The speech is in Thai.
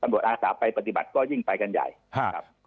อาสาไปปฏิบัติก็ยิ่งไปกันใหญ่ครับ